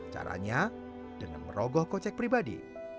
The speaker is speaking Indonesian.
caranya dengan merogoh kocek pribadi